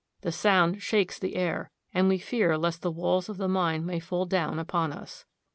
The sound shakes the air, and we fear lest the walls of the mine may fall down upon us.